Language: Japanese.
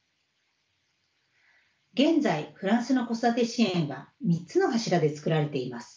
現在フランスの子育て支援は３つの柱で作られています。